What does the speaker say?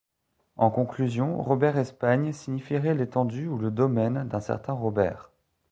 En conclusion, Robert-Espagne signifierait l'étendue ou le domaine d'un certain Robert.